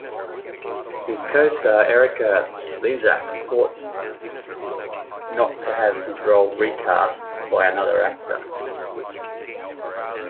His co-star Erika Slezak fought not to have his role recast by another actor.